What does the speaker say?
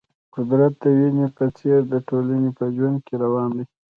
قدرت د وینې په څېر د ټولنې په ژوند کې روان دی.